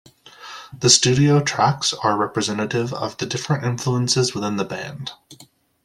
The studio tracks are representative of the different influences within the band.